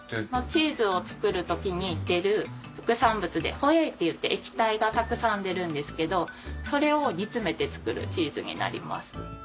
チーズを作る時に出る副産物で。っていって液体がたくさん出るんですけどそれを煮詰めて作るチーズになります。